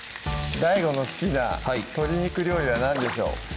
ＤＡＩＧＯの好きな鶏肉料理は何でしょう？